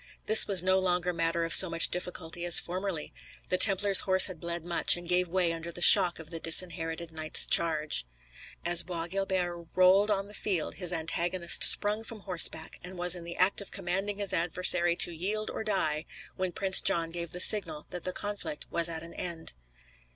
This was no longer matter of so much difficulty as formerly. The Templar's horse had bled much, and gave way under the shock of the Disinherited Knight's charge. As Bois Guilbert rolled on the field, his antagonist sprung from horseback, and was in the act of commanding his adversary to yield or die, when Prince John gave the signal that the conflict was at an end.